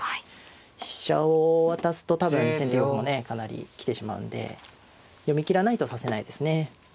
飛車を渡すと多分先手玉もねかなり来てしまうんで読み切らないと指せないですね。